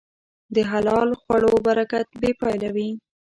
د حلال خوړو برکت بېپایله وي.